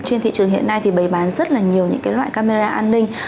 trên thị trường hiện nay thì bày bán rất là nhiều những loại camera an ninh